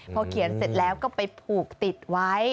พอเขียนเสร็จแล้วก็ไปผูกติดไว้